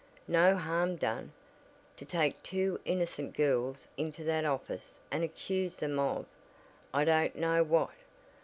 "No harm done! To take two innocent girls into that office and accuse them of I don't know what!